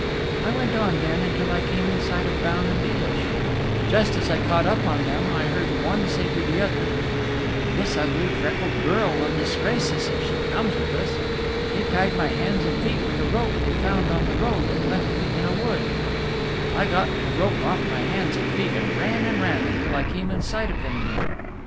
I went on then till I came in sight of Baun and Deelish. Just as I caught up on them I heard one say to the other, "This ugly, freckled girl will disgrace us if she comes with us." They tied my hands and feet with a rope they found on the road and left me in a wood. I got the rope off my hands and feet and ran and ran until I came in sight of them again.